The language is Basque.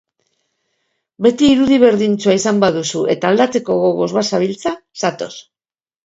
Beti irudi berdintsua izan baduzu eta aldatzeko gogoz bazabiltza, zatoz!